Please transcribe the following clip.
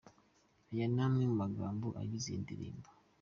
" Ayo ni amwe mu magambo agize iyi ndirimbo.